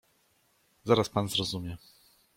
"Zaraz pan zrozumie."